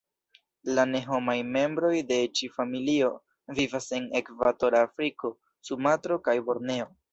La ne-homaj membroj de ĉi-familio vivas en Ekvatora Afriko, Sumatro, kaj Borneo.